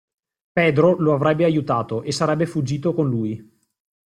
Pedro lo avrebbe aiutato e sarebbe fuggito con lui.